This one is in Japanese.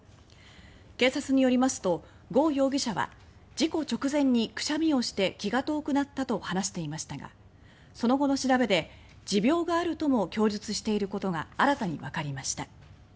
警察によりますと呉容疑者は事故直前にくしゃみをして気が遠くなったと話していましたがその後の調べで、持病があるとも供述していることが新たにわかりました。